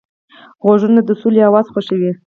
غوږونه د سولې اواز خوښوي